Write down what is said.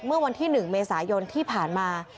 เมื่อวันที่๑เมษายนที่ผ่านมา